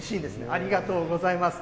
ありがとうございます。